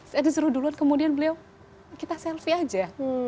saya disuruh duluan kemudian beliau kita selfie aja